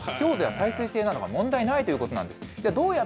強度や耐水性などは問題ないということなんです。